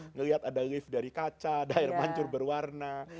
ngelihat ada lift dari kaca daerah mancur berwarna